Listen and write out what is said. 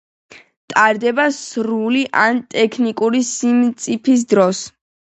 ტარდება სრული ან ტექნიკური სიმწიფის დროს.